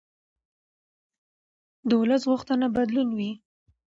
د ولس غوښتنه بدلون وي